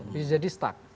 bisa jadi stuck